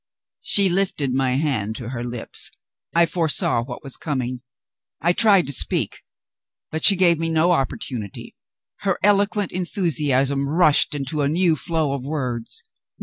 She lifted my hand to her lips. I foresaw what was coming; I tried to speak. But she gave me no opportunity; her eloquent enthusiasm rushed into a new flow of words.